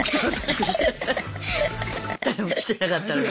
って誰も来てなかったのに。